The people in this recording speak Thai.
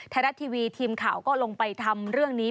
ไทยรัฐทีวีทีมข่าวก็ลงไปทำเรื่องนี้